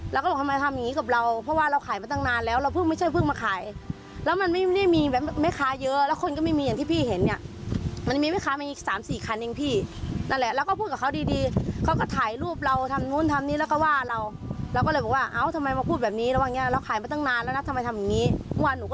เราก็บอกทำไมทำอย่างงี้กับเราเพราะว่าเราขายมาตั้งนานแล้วเราเพิ่งไม่ใช่เพิ่งมาขายแล้วมันไม่ได้มีแบบแม่ค้าเยอะแล้วคนก็ไม่มีอย่างที่พี่เห็นเนี่ยมันมีแม่ค้ามาอีกสามสี่คันเองพี่นั่นแหละแล้วก็พูดกับเขาดีดีเขาก็ถ่ายรูปเราทำนู่นทำนี่แล้วก็ว่าเราเราก็เลยบอกว่าเอ้าทำไมมาพูดแบบนี้ระหว่างเนี้ยเราขายมาตั้งนานแล้วนะทำไมทำอย่างงี้ว่าหนูก็